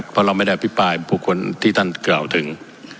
เพราะเราไม่ได้อภิปรายผู้คนที่ท่านกล่าวถึง